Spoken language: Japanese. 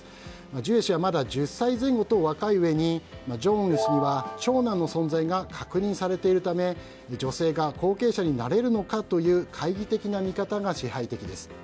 ジュエ氏はまだ１０歳前後と若いうえに正恩氏には長男の存在が確認されているため女性が後継者になれるかという懐疑的な見方が支配的です。